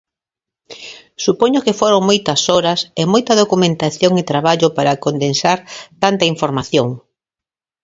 Supoño que foron moitas horas, e moita documentación e traballo para condensar tanta información.